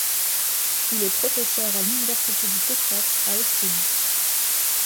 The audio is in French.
Il est professeur à l'université du Texas à Austin.